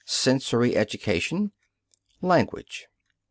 Sensory education. Language.